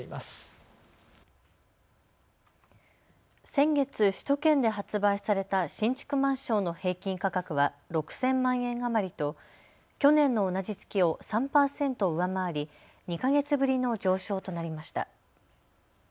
先月、首都圏で発売された新築マンションの平均価格は６０００万円余りと去年の同じ月を３％上回り２か月ぶりの上昇となりました。